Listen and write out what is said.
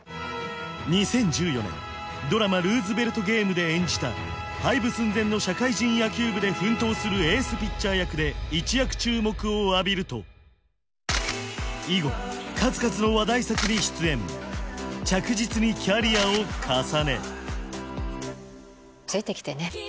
２０１４年ドラマ「ルーズヴェルト・ゲーム」で演じた廃部寸前の社会人野球部で奮闘するエースピッチャー役で一躍注目を浴びると以後数々の話題作に出演着実にキャリアを重ねついてきてね